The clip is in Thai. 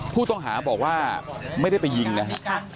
ผู้ต้องหาบอกว่าไม่ได้ไปยิงนะฮะ